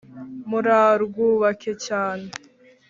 murarwubake cyane